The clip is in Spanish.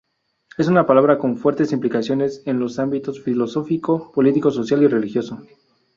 Es una palabra con fuertes implicaciones en los ámbitos filosófico, político, social y religioso.